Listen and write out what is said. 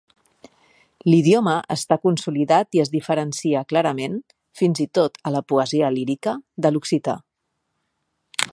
L'idioma està consolidat i es diferencia clarament, fins i tot a la poesia lírica, de l'occità.